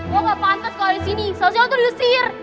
gue gak pantas keluar dari sini soalnya lo tuh lusir